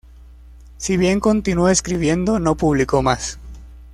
Si bien continuó escribiendo, no publicó más.